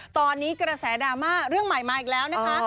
ตอนนี้กระแสดราม่าเรื่องใหม่มาอีกแล้วนะคะ